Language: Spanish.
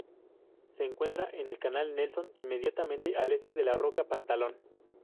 Se encuentra en el canal Nelson inmediatamente al este de la roca Pantalón.